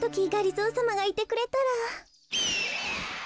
ぞーさまがいてくれたら。